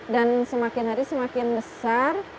dan semakin hari semakin besar